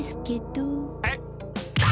えっ！？